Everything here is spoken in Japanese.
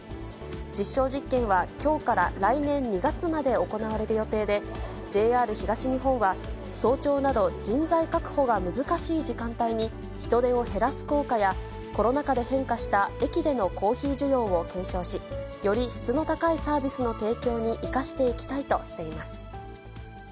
実証実験はきょうから来年２月まで行われる予定で、ＪＲ東日本は、早朝など、人材確保が難しい時間帯に、人手を減らす効果やコロナ禍で変化した駅でのコーヒー需要を検証し、より質の高いサービスの提供に生かしていきたいとしています。